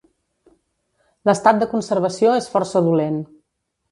L'estat de conservació és força dolent.